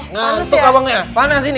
nganjuk abangnya panas ini